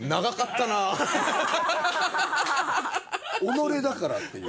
己だからっていう。